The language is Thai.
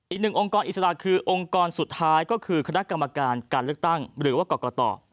อีกหนึ่งองค์กรอิสระคือองค์กรสุดท้ายก็คือคณะกรรมการการเลือกตั้งหรือว่ากรกต